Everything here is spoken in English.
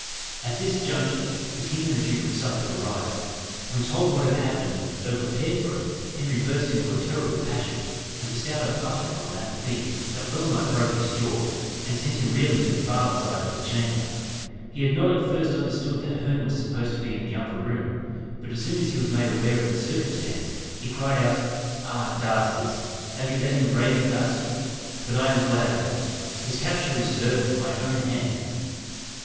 At this juncture, the king and the Duke of Suffolk arrived. When told what had happened, though prepared for it, Henry burst into a terrible passion, and bestowed a buffet on Mat Bee, that well nigh broke his jaw, and sent him reeling to the farther side of the chamber. He had not at first understood that Herne was supposed to be in the upper room; but as soon as he was made aware of the circumstance, he cried out "Ah, dastards! have you let him brave you thus? But I am glad of it. His capture is reserved for my own hand."